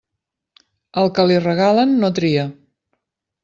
Al que li regalen, no tria.